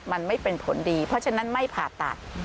มันไม่เป็นผลดีเพราะฉะนั้นไม่ผ่าตัด